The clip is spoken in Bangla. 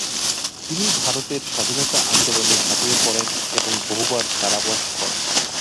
তিনি ভারতের স্বাধীনতা আন্দোলনে ঝাঁপিয়ে পড়েন এবং বহুবার কারাবাস করেন।